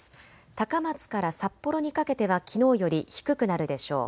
高松から札幌にかけてはきのうより低くなるでしょう。